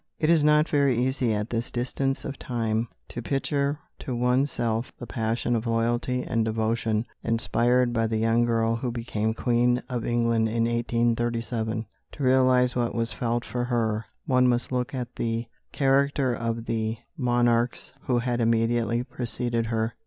It is not very easy at this distance of time to picture to one's self the passion of loyalty and devotion inspired by the young girl who became Queen of England in 1837. To realise what was felt for her, one must look at the character of the monarchs who had immediately preceded her.